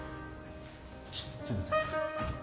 ちょっとすいません